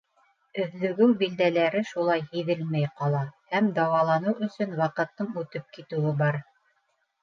Өҙлөгөү билдәләре шулай һиҙелмәй ҡала, һәм дауаланыу өсөн ваҡыттың үтеп китеүе бар.